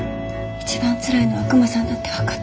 一番つらいのはクマさんだって分かってる。